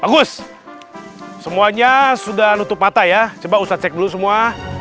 bagus semuanya sudah nutup mata ya coba usah cek dulu semua